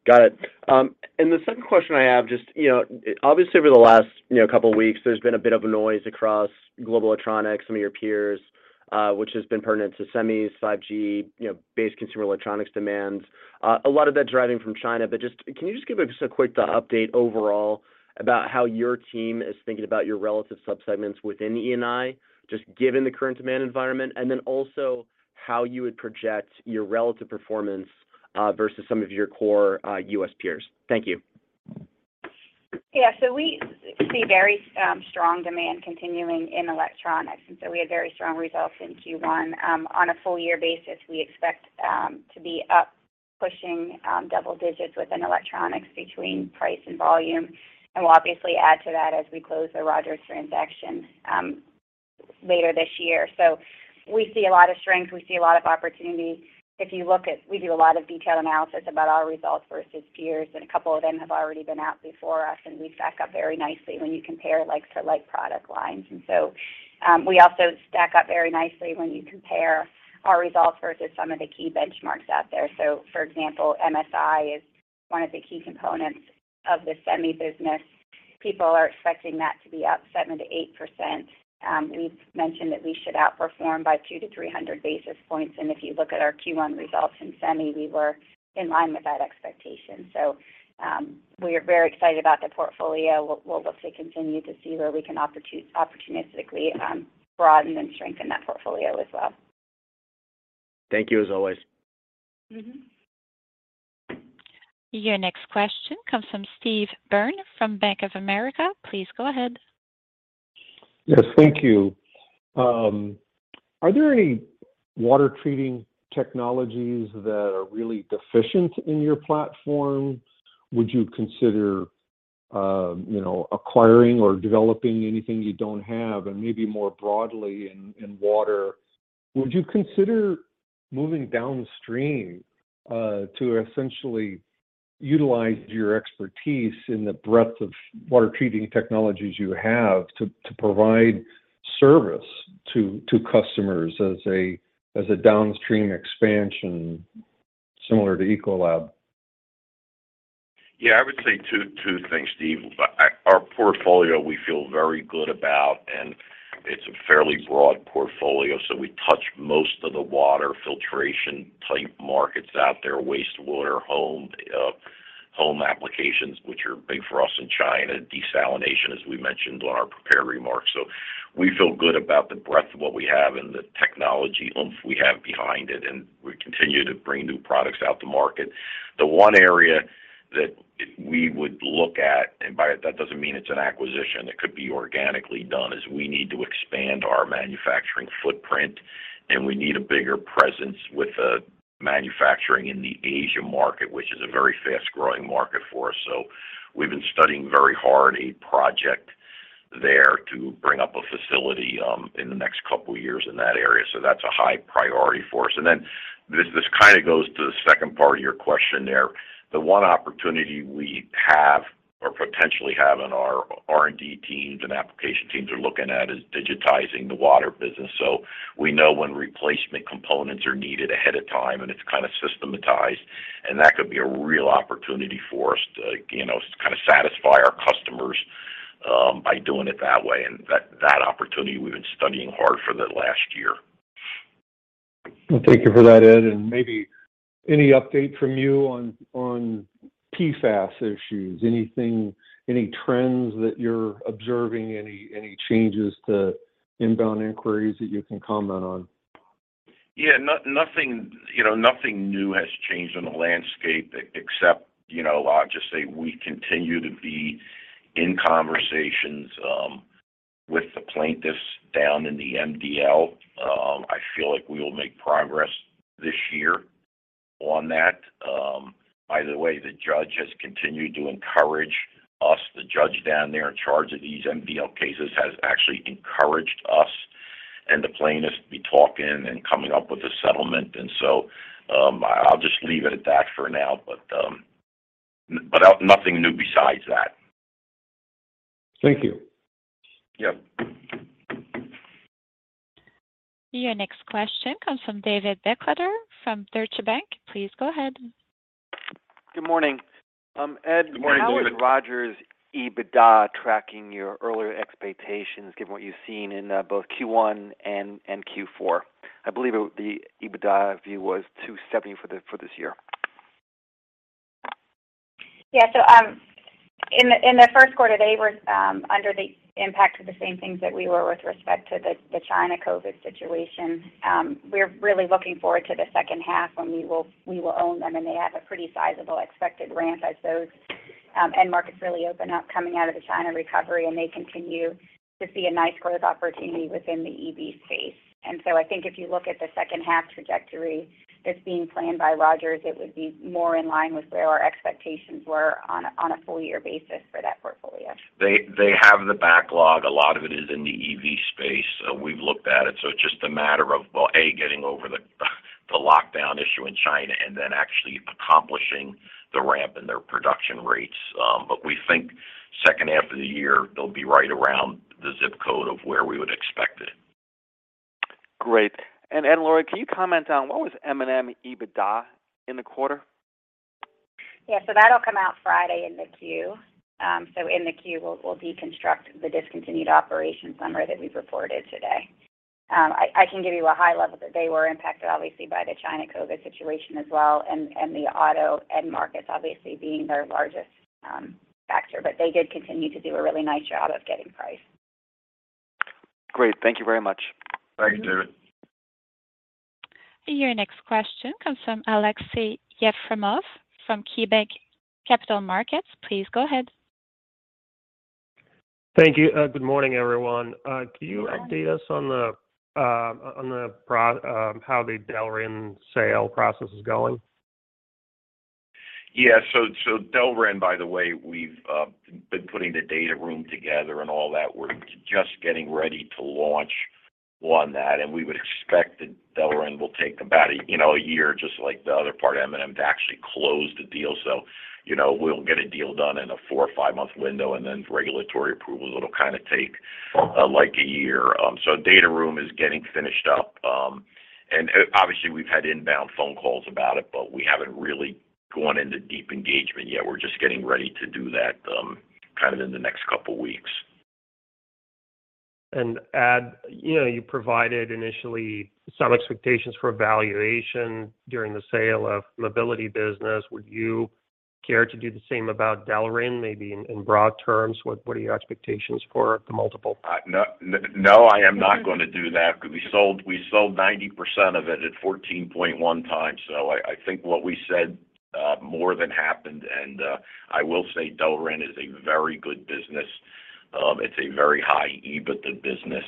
Got it. The second question I have, just, you know, obviously over the last, you know, couple weeks, there's been a bit of a noise across global electronics, some of your peers, which has been pertinent to semis, 5G, you know, base consumer electronics demands, a lot of that driving from China. Just, can you just give us a quick update overall about how your team is thinking about your relative subsegments within E&I, just given the current demand environment, and then also how you would project your relative performance versus some of your core U.S. peers? Thank you. Yeah. We see very strong demand continuing in electronics, and we had very strong results in Q1. On a full year basis, we expect to be up pushing double digits within electronics between price and volume, and we'll obviously add to that as we close the Rogers transaction later this year. We see a lot of strength. We see a lot of opportunity. We do a lot of detailed analysis about our results versus peers, and a couple of them have already been out before us, and we stack up very nicely when you compare like to like product lines. We also stack up very nicely when you compare our results versus some of the key benchmarks out there. For example, MSI is one of the key components of the semi business. People are expecting that to be up 7%-8%. We've mentioned that we should outperform by 200-300 basis points, and if you look at our Q1 results in semi, we were in line with that expectation. We are very excited about the portfolio. We'll look to continue to see where we can opportunistically broaden and strengthen that portfolio as well. Thank you as always. Mm-hmm. Your next question comes from Steve Byrne from Bank of America. Please go ahead. Yes. Thank you. Are there any water treating technologies that are really deficient in your platform? Would you consider, you know, acquiring or developing anything you don't have? Maybe more broadly in water, would you consider moving downstream, to essentially utilize your expertise in the breadth of water treating technologies you have to provide service to customers as a downstream expansion similar to Ecolab? Yeah. I would say two things, Steve. Our portfolio we feel very good about, and it's a fairly broad portfolio, so we touch most of the water filtration type markets out there, wastewater, home applications, which are big for us in China, desalination, as we mentioned on our prepared remarks. We feel good about the breadth of what we have and the technology oomph we have behind it, and we continue to bring new products out to market. The one area that we would look at, that doesn't mean it's an acquisition, it could be organically done, is we need to expand our manufacturing footprint, and we need a bigger presence with manufacturing in the Asia market, which is a very fast-growing market for us. We've been studying very hard a project there to bring up a facility in the next couple years in that area, so that's a high priority for us. This kind of goes to the second part of your question there. The one opportunity we have or potentially have in our R&D teams and application teams are looking at is digitizing the water business. We know when replacement components are needed ahead of time, and it's kind of systematized, and that could be a real opportunity for us to, you know, kind of satisfy our customers by doing it that way. That opportunity we've been studying hard for the last year. Well, thank you for that, Ed. Maybe any update from you on PFAS issues? Anything, any trends that you're observing, any changes to inbound inquiries that you can comment on? Yeah, nothing, you know, nothing new has changed in the landscape except, you know, I'll just say we continue to be in conversations with the plaintiffs down in the MDL. I feel like we will make progress this year on that. By the way, the judge has continued to encourage us. The judge down there in charge of these MDL cases has actually encouraged us and the plaintiffs to be talking and coming up with a settlement. I'll just leave it at that for now, but nothing new besides that. Thank you. Yep. Your next question comes from David Begleiter from Deutsche Bank. Please go ahead. Good morning. Good morning, David. How is Rogers EBITDA tracking your earlier expectations given what you've seen in both Q1 and Q4? I believe the EBITDA view was $270 for this year. Yeah. In the first quarter, they were under the impact of the same things that we were with respect to the China COVID situation. We're really looking forward to the second half when we will own them, and they have a pretty sizable expected ramp as those end markets really open up coming out of the China recovery, and they continue to see a nice growth opportunity within the EV space. I think if you look at the second half trajectory that's being planned by Rogers, it would be more in line with where our expectations were on a full year basis for that portfolio. They have the backlog. A lot of it is in the EV space. We've looked at it, so it's just a matter of, well, A, getting over the lockdown issue in China and then actually accomplishing the ramp in their production rates. We think second half of the year they'll be right around the zip code of where we would expect it. Great. Ed Breen, Lori Koch, can you comment on what was M&M EBITDA in the quarter? Yeah. That'll come out Friday in the Q. In the Q, we'll deconstruct the discontinued operations summary that we've reported today. I can give you a high level that they were impacted obviously by the China COVID situation as well and the auto end markets obviously being their largest factor. They did continue to do a really nice job of getting price. Great. Thank you very much. Thank you, David. Your next question comes from Aleksey Yefremov from KeyBanc Capital Markets. Please go ahead. Thank you. Good morning, everyone. Can you update us on how the Delrin sale process is going? Yeah. Delrin, by the way, we've been putting the data room together and all that. We're just getting ready to launch on that, and we would expect that Delrin will take about a year, you know, just like the other part of M&M to actually close the deal. We'll get a deal done in a 4 or 5-month window, and then regulatory approvals, it'll kind of take like a year. Data room is getting finished up. Obviously, we've had inbound phone calls about it, but we haven't really gone into deep engagement yet. We're just getting ready to do that, kind of in the next couple weeks. Ed, you know, you provided initially some expectations for valuation during the sale of mobility business. Would you care to do the same about Delrin, maybe in broad terms? What are your expectations for the multiple? No, I am not gonna do that because we sold 90% of it at 14.1x. I think what we said more than happened. I will say Delrin is a very good business. It's a very high EBITDA business.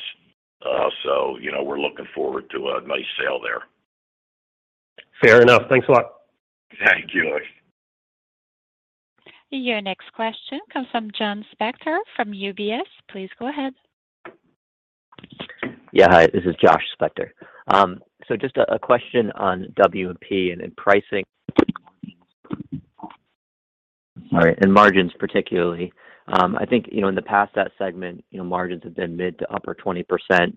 You know, we're looking forward to a nice sale there. Fair enough. Thanks a lot. Thank you, Aleksey. Your next question comes from Joshua Spector from UBS. Please go ahead. Yeah. Hi, this is Joshua Spector. So just a question on W&P and pricing. All right, and margins particularly. I think, you know, in the past, that segment, you know, margins have been mid- to upper-20%.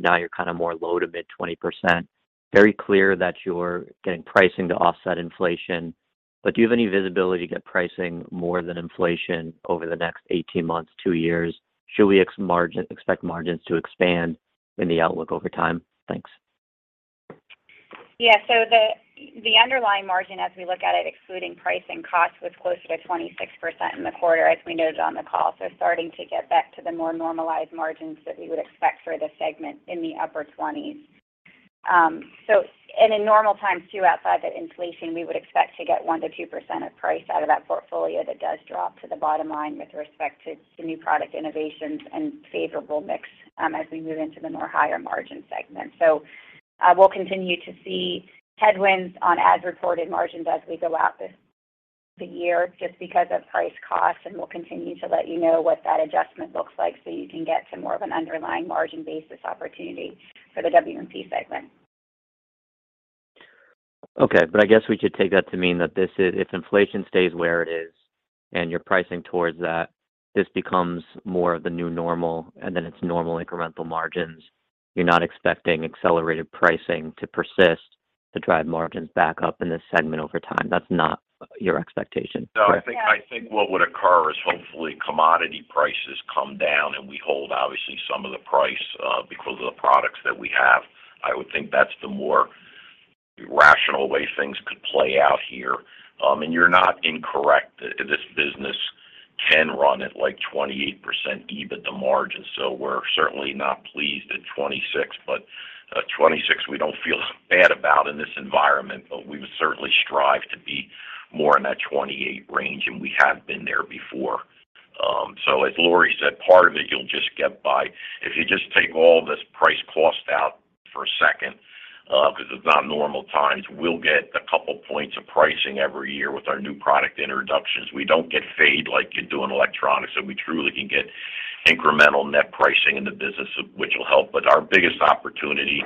Now you're kind of more low- to mid-20%. Very clear that you're getting pricing to offset inflation. But do you have any visibility to get pricing more than inflation over the next 18 months, 2 years? Should we expect margins to expand in the outlook over time? Thanks. Yeah. The underlying margin as we look at it, excluding pricing costs, was closer to 26% in the quarter, as we noted on the call. Starting to get back to the more normalized margins that we would expect for the segment in the upper 20s. In normal times too, outside of inflation, we would expect to get 1%-2% of price out of that portfolio that does drop to the bottom line with respect to new product innovations and favorable mix, as we move into the more higher margin segments. We'll continue to see headwinds on as-reported margins as we go out this year just because of price cost, and we'll continue to let you know what that adjustment looks like so you can get to more of an underlying margin basis opportunity for the W&P segment. Okay. I guess we could take that to mean that this is if inflation stays where it is and you're pricing towards that, this becomes more of the new normal, and then it's normal incremental margins. You're not expecting accelerated pricing to persist to drive margins back up in this segment over time. That's not your expectation, correct? No. I think what would occur is hopefully commodity prices come down, and we hold obviously some of the price because of the products that we have. I would think that's the more rational way things could play out here. You're not incorrect. This business can run at, like, 28% EBITDA margin. So we're certainly not pleased at 26%, but 26% we don't feel bad about in this environment, but we would certainly strive to be more in that 28% range, and we have been there before. As Lori said, part of it you'll just get by. If you just take all this price cost out for a second because it's not normal times, we'll get a couple points of pricing every year with our new product introductions. We don't get fade like you do in electronics, so we truly can get incremental net pricing in the business of which will help. Our biggest opportunity,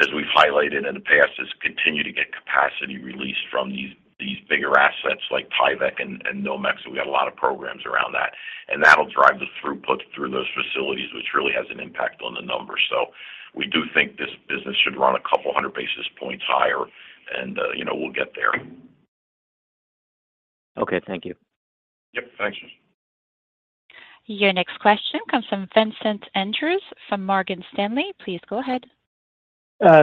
as we've highlighted in the past, is continue to get capacity released from these bigger assets like Tyvek and Nomex. We got a lot of programs around that. That'll drive the throughput through those facilities, which really has an impact on the numbers. We do think this business should run 200 basis points higher and, you know, we'll get there. Okay. Thank you. Yep. Thanks. Your next question comes from Vincent Andrews from Morgan Stanley. Please go ahead.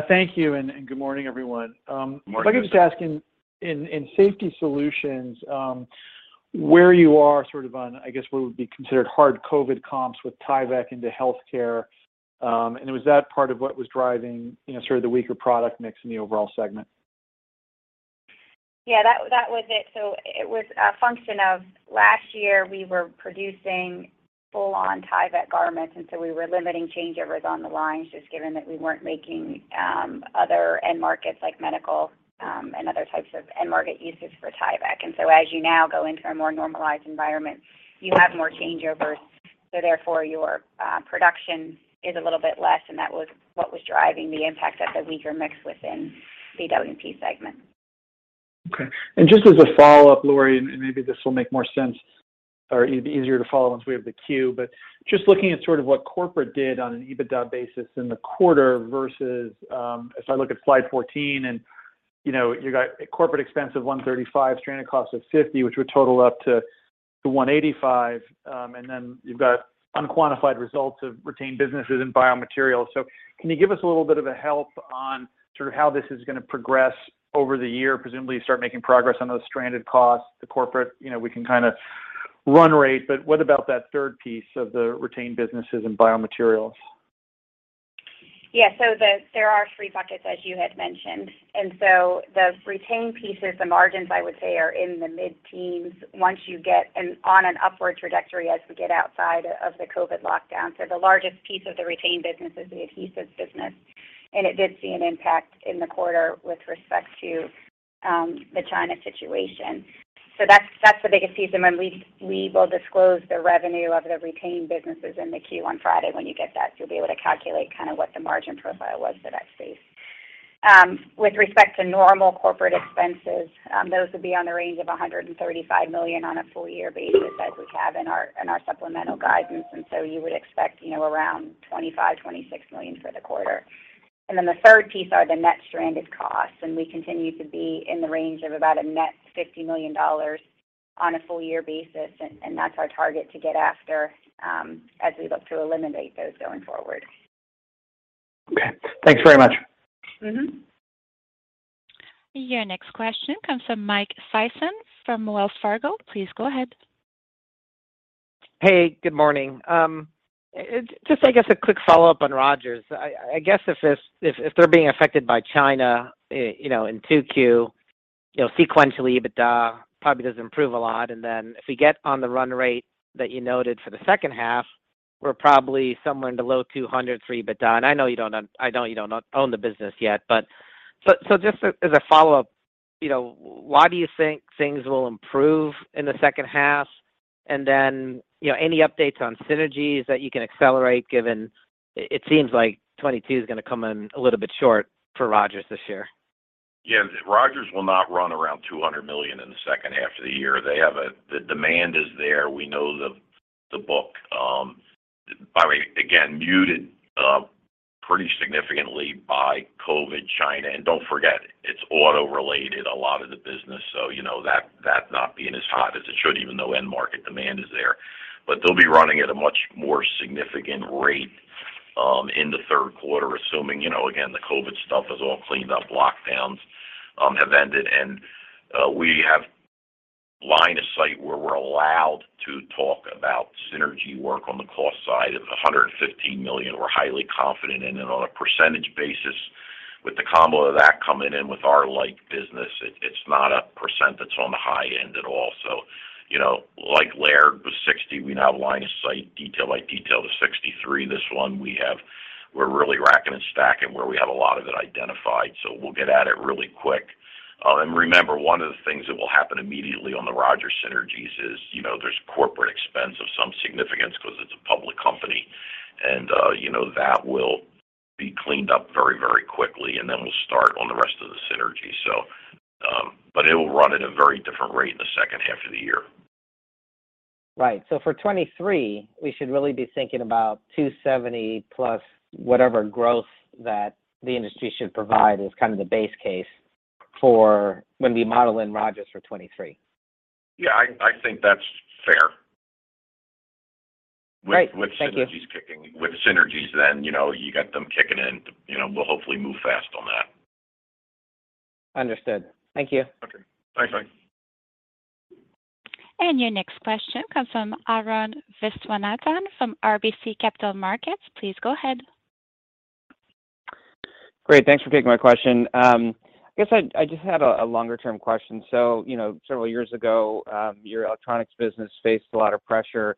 Thank you, and good morning, everyone. Morning. If I could just ask in safety solutions, where you are sort of on, I guess, what would be considered hard COVID comps with Tyvek into healthcare, and was that part of what was driving, you know, sort of the weaker product mix in the overall segment? Yeah, that was it. It was a function of last year we were producing full-on Tyvek garments, and so we were limiting changeovers on the lines just given that we weren't making other end markets like medical, and other types of end market uses for Tyvek. As you now go into a more normalized environment, you have more changeovers. Therefore your production is a little bit less, and that was what was driving the impact of the weaker mix within the W&P segment. Okay. Just as a follow-up, Lori, and maybe this will make more sense or it'd be easier to follow once we have the queue. Just looking at sort of what corporate did on an EBITDA basis in the quarter versus, as I look at slide 14 and, you know, you got a corporate expense of $135, stranded costs of $50, which would total up to $185. And then you've got unquantified results of retained businesses and biomaterials. Can you give us a little bit of a help on sort of how this is gonna progress over the year? Presumably, you start making progress on those stranded costs. The corporate, you know, we can kind of run rate. What about that third piece of the retained businesses and biomaterials? Yeah. There are three buckets, as you had mentioned. The retained pieces, the margins I would say are in the mid-teens once you get on an upward trajectory as we get outside of the COVID lockdown. The largest piece of the retained business is the adhesives business, and it did see an impact in the quarter with respect to the China situation. That's the biggest piece. When we will disclose the revenue of the retained businesses in the Q on Friday. When you get that, you'll be able to calculate kind of what the margin profile was for that space. With respect to normal corporate expenses, those would be on the range of $135 million on a full year basis as we have in our supplemental guidance. You would expect, you know, around 25-26 million for the quarter. Then the third piece are the net stranded costs. We continue to be in the range of about a net $50 million on a full year basis, and that's our target to get after, as we look to eliminate those going forward. Okay. Thanks very much. Mm-hmm. Your next question comes from Michael Sison from Wells Fargo. Please go ahead. Hey, good morning. Just, I guess, a quick follow-up on Rogers. I guess if they're being affected by China, you know, in 2Q, sequentially, EBITDA probably doesn't improve a lot. If we get on the run rate that you noted for the second half, we're probably somewhere in the low 200-300 EBITDA. I know you don't own the business yet, but so just as a follow-up, you know, why do you think things will improve in the second half? Any updates on synergies that you can accelerate given it seems like 2022 is gonna come in a little bit short for Rogers this year. Yeah. Rogers will not run around $200 million in the second half of the year. The demand is there. We know the book, by the way, again, muted pretty significantly by COVID China. Don't forget, it's auto-related, a lot of the business, so you know that not being as hot as it should, even though end market demand is there. They'll be running at a much more significant rate in the third quarter, assuming, you know, again, the COVID stuff is all cleaned up, lockdowns have ended. We have line of sight where we're allowed to talk about synergy work on the cost side of $115 million. We're highly confident in it on a percentage basis. With the combo of that coming in with our E&I business, it's not a percent that's on the high end at all. You know, like Laird was 60%. We now have line of sight detail by detail to 63%. This one we're really racking and stacking where we have a lot of it identified, so we'll get at it really quick. Remember, one of the things that will happen immediately on the Rogers synergies is, you know, there's corporate expense of some significance 'cause it's a public company, and, you know, that will be cleaned up very, very quickly, and then we'll start on the rest of the synergy. It will run at a very different rate in the second half of the year. Right. For 2023, we should really be thinking about 270 plus whatever growth that the industry should provide as kind of the base case for when we model in Rogers for 2023. Yeah, I think that's fair. Great. Thank you. With synergies then, you know, you got them kicking in, you know, we'll hopefully move fast on that. Understood. Thank you. Okay. Thanks, Mike. Your next question comes from Arun Viswanathan from RBC Capital Markets. Please go ahead. Great. Thanks for taking my question. I guess I just had a longer-term question. You know, several years ago, your electronics business faced a lot of pressure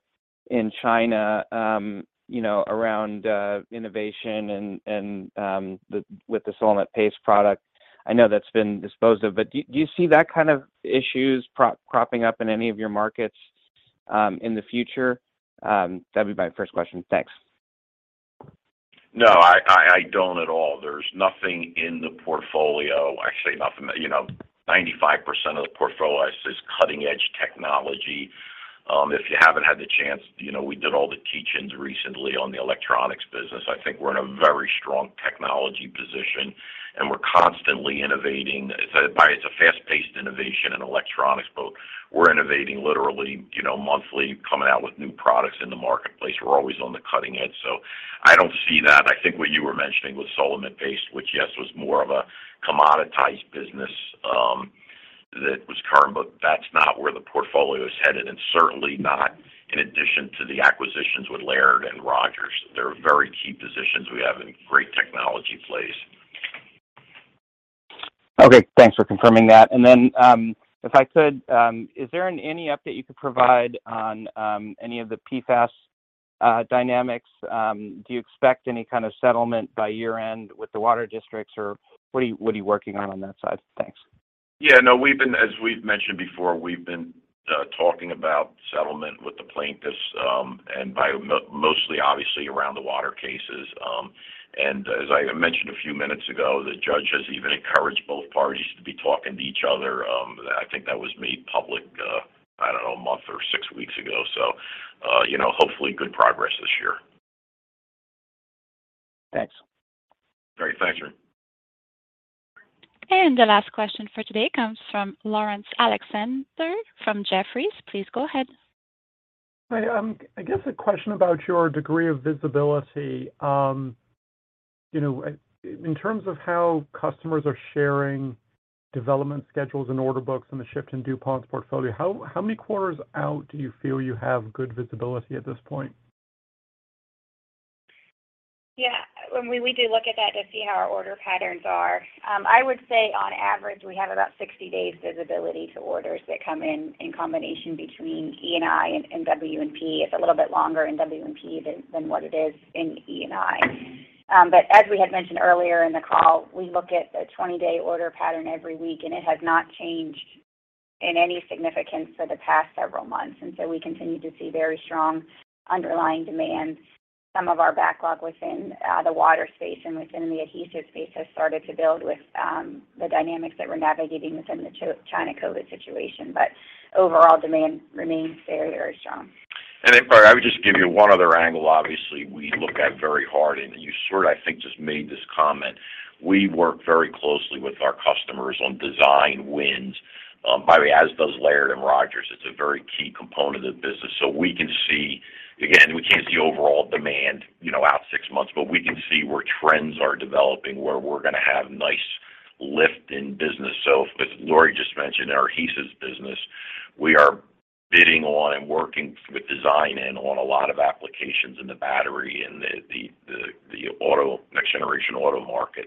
in China. You know, around innovation and with the Solamet paste product. I know that's been disposed of, but do you see that kind of issues cropping up in any of your markets in the future? That'd be my first question. Thanks. No, I don't at all. There's nothing in the portfolio. Actually nothing that, you know, 95% of the portfolio is cutting-edge technology. If you haven't had the chance, you know, we did all the teach-ins recently on the electronics business. I think we're in a very strong technology position, and we're constantly innovating. It's a, by the way, fast-paced innovation in electronics, but we're innovating literally, you know, monthly, coming out with new products in the marketplace. We're always on the cutting edge, so I don't see that. I think what you were mentioning was Solamet paste, which, yes, was more of a commoditized business, that was current, but that's not where the portfolio's headed, and certainly not in addition to the acquisitions with Laird and Rogers. They're very key positions we have in great technology plays. Okay. Thanks for confirming that. If I could, is there any update you could provide on any of the PFAS dynamics? Do you expect any kind of settlement by year-end with the water districts, or what are you working on that side? Thanks. Yeah, no, as we've mentioned before, we've been talking about settlement with the plaintiffs, and primarily, obviously around the water cases. As I mentioned a few minutes ago, the judge has even encouraged both parties to be talking to each other. I think that was made public, I don't know, a month or six weeks ago. You know, hopefully good progress this year. Thanks. Great. Thanks, Arun. The last question for today comes from Laurence Alexander from Jefferies. Please go ahead. I guess a question about your degree of visibility. You know, in terms of how customers are sharing development schedules and order books and the shift in DuPont's portfolio, how many quarters out do you feel you have good visibility at this point? Yeah. We do look at that to see how our order patterns are. I would say on average, we have about 60 days visibility to orders that come in in combination between E&I and W&P. It's a little bit longer in W&P than what it is in E&I. But as we had mentioned earlier in the call, we look at the 20-day order pattern every week, and it has not changed in any significance for the past several months. We continue to see very strong underlying demand. Some of our backlog within the water space and within the adhesive space has started to build with the dynamics that we're navigating within the China COVID situation. Overall demand remains very, very strong. Lawrence, I would just give you one other angle. Obviously, we look at very hard, and you sort of, I think, just made this comment. We work very closely with our customers on design wins, by the way, as does Laird and Rogers. It's a very key component of the business. We can see. Again, we can't see overall demand, you know, out six months, but we can see where trends are developing, where we're gonna have nice lift in business. As Lori just mentioned, our adhesives business, we are bidding on and working with design and on a lot of applications in the battery and the auto, next generation auto market.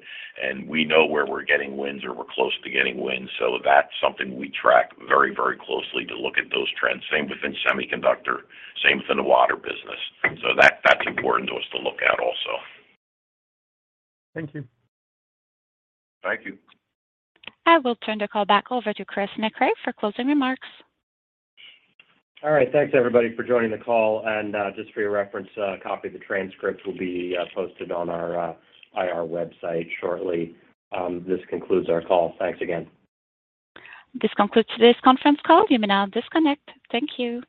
We know where we're getting wins or we're close to getting wins. That's something we track very, very closely to look at those trends. Same within semiconductor, same within the water business. That, that's important to us to look at also. Thank you. Thank you. I will turn the call back over to Chris Mecray for closing remarks. All right. Thanks everybody for joining the call. Just for your reference, a copy of the transcript will be posted on our IR website shortly. This concludes our call. Thanks again. This concludes today's conference call. You may now disconnect. Thank you.